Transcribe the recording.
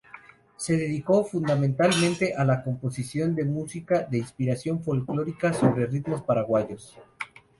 Se dedicó fundamentalmente a la composición de música de inspiración folklórica sobre ritmos paraguayos.